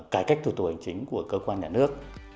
cải cách thủ tục hành chính của cơ quan nhà nước